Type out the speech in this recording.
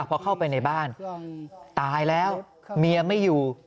พอเข้าไปในบ้านตายแล้วเมียไม่อยู่